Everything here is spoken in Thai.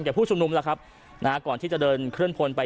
กับผู้ชมนุมแล้วครับก่อนที่จะเดินเคลื่อนพลไป